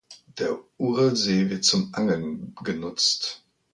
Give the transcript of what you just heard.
Der Urlsee wird zum Angeln genutzt.